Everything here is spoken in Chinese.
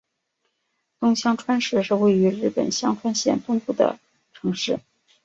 东香川市是位于日本香川县东部的城市。